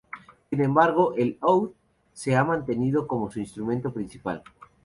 Sin embargo, el oud se ha mantenido como su instrumento principal.